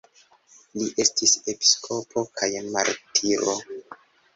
Li estis episkopo kaj martiro.